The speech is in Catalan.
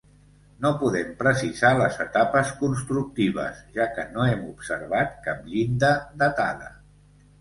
No podem precisar les etapes constructives, ja que no hem observat cap llinda datada.